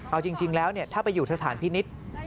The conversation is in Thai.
เอาจริงแล้วถ้าไปอยู่สถานพินิษฐ์